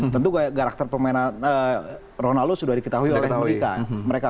tentu karakter permainan ronaldo sudah diketahui oleh mereka